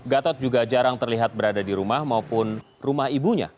gatot juga jarang terlihat berada di rumah maupun rumah ibunya